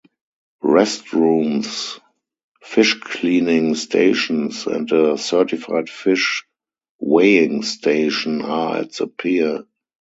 Restrooms, fish-cleaning stations, and a certified fish weighing station are at the pier.